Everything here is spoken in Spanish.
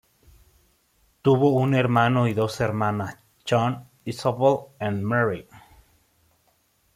Tuvo un hermano y dos hermanas: John, Isobel and Mary.